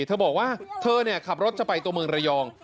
เธอบอกว่าเธอขับรถจะไปตัวเมืองระยอง